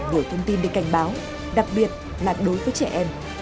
gửi thông tin để cảnh báo đặc biệt là đối với trẻ em